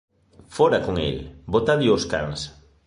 Fóra con el! Botádeo ós cans!